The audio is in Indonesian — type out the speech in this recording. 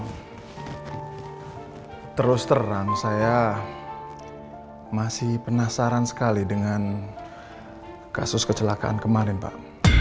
nah terus terang saya masih penasaran sekali dengan kasus kecelakaan kemarin pak